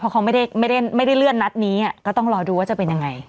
เพราะเขาไม่ได้เลื่อนนัดนี้ก็ต้องรอดูว่าจะเป็นยังไง